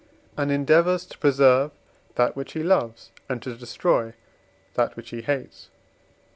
and endeavours to preserve that which he loves and to destroy that which he hates (III.